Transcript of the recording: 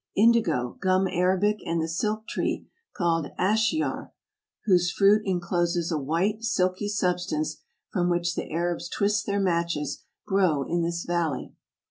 Indigo, gum arabic, and the silk tree called Asheyr, whose fruit encloses a white, silky substance from which the Arabs twist their matches, grow in this valley.